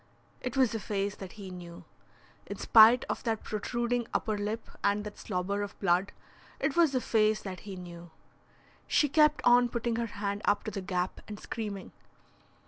It was a face that he knew. In spite of that protruding upper lip and that slobber of blood, it was a face that he knew. She kept on putting her hand up to the gap and screaming.